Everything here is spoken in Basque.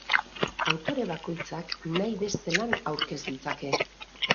Autore bakoitzak nahi beste lan aurkez ditzake.